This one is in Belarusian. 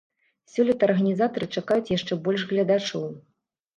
Сёлета арганізатары чакаюць яшчэ больш гледачоў.